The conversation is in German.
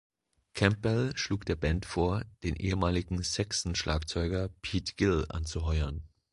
Campbell schlug der Band vor, den ehemaligen Saxon-Schlagzeuger Pete Gill anzuheuern.